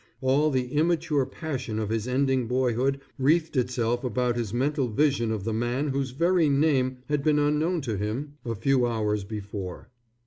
All the immature passion of his ending boyhood wreathed itself about his mental vision of the man whose very name had been unknown to him a few hours before.